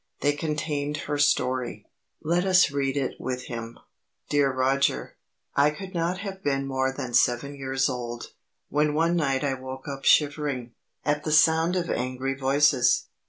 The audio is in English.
They contained her story; let us read it with him. DEAR ROGER, I could not have been more than seven years old, when one night I woke up shivering, at the sound of angry voices.